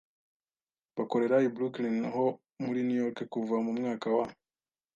bakorera i Brooklyn ho muri New York kuva mu mwaka wa